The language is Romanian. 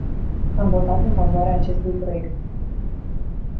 Am votat în favoarea acestui proiect.